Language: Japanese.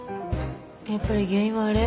やっぱり原因はあれ？